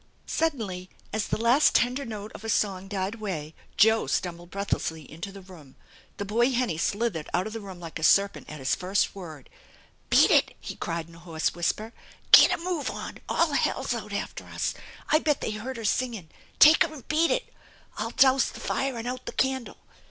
Suddenly, as the last tender note of a song died away Joe ^tumbled breathlessly into the room. The boy Hennie slithered out of the room like a serpent at his first word. *82 THE ENCHANTED BARN " Beat it !" he cried in a hoarse whisper. " Get a move on! All hell's out after us! I bet they heard her singin'' Take her an' beat it ! I'll douse the fire an' out the candle.